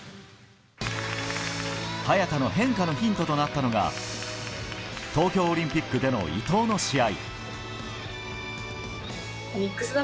早田の変化のヒントとなったのが東京オリンピックでの伊藤の試合。